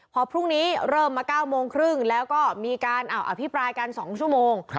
พอพรุ่งนี้เริ่มมา๙โมงครึ่งแล้วก็มีการอภิปรายกัน๒ชั่วโมง